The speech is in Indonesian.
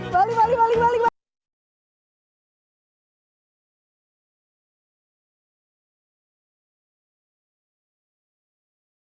balik balik balik balik